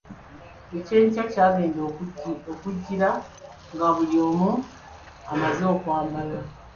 Ekyenkya kyagenda okujjira nga buli omu amazze okwambala.